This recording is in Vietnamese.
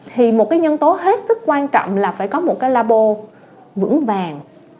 thì một cái nhân tố hết sức quan trọng là phải có một cái labo vững vàng